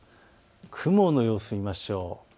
雲の様子を見ましょう。